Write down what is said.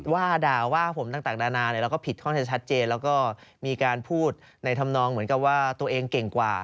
ว่าด่าว่าผมต่างนานาแล้วก็ผิดค่อนข้างจะชัดเจนแล้วก็มีการพูดในธรรมนองเหมือนกับว่าตัวเองเก่งกว่า